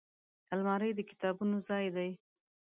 الماري د کتابونو ځای دی